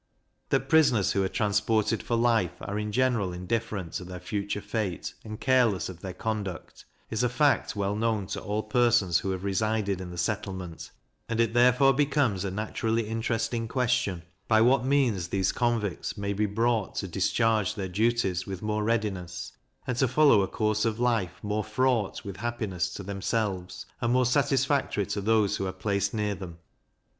That prisoners who are transported for life are in general indifferent to their future fate, and careless of their conduct, is a fact well known to all persons who have resided in the settlement; and it therefore becomes a naturally interesting question, by what means these convicts may be brought to discharge their duties with more readiness, and to follow a course of life more fraught with happiness to themselves, and more satisfactory to those who are placed near them.